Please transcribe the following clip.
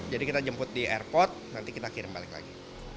jadi kita jemput di airport nanti kita kirim balik lagi